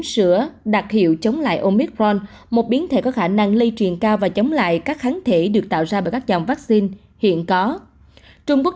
sử dụng công nghiệp của trung quốc và một tổ chức nghiệp của trung quốc